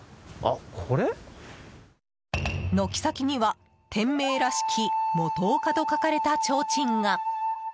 軒先には店名らしき「もとおか」と書かれたちょうちんが。